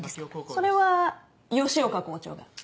それは吉岡校長が。